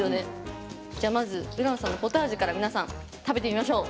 じゃあまずＵｒａＮさんのポタージュから皆さん食べてみましょう！